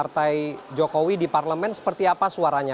partai jokowi di parlemen seperti apa suaranya